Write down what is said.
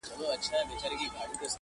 د عذاب علت یې کش کړ په مشوکي٫